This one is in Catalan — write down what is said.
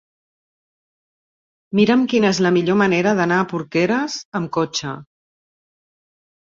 Mira'm quina és la millor manera d'anar a Porqueres amb cotxe.